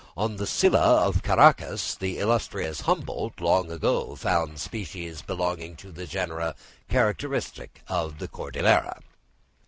On the Silla of Caraccas the illustrious Humboldt long ago found species belonging to genera characteristic of the Cordillera.